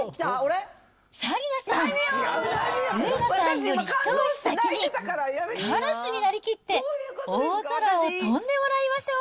紗理奈さん、上野さんより一足先にカラスになりきって、大空を飛んでもらいましょう。